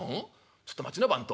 ちょっと待ちな番頭。